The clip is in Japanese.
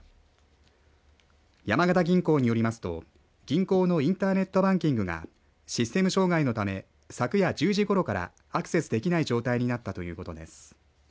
山形銀行によりますと銀行のインターネットバンキングがシステム障害のため昨夜１０時ごろからアクセスできない状態になったということです。